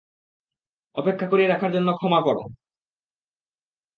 অপেক্ষা করিয়ে রাখার জন্য ক্ষমা করো।